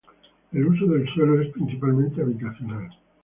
El uso de suelo es principalmente habitacional.